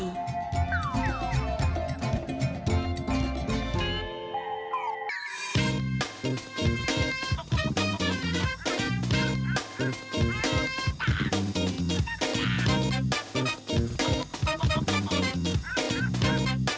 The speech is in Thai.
สวัสดีค่ะ